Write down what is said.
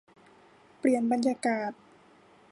เปลี่ยนบรรยากาศ